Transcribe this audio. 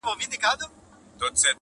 که مُلایان دي که یې چړیان دي,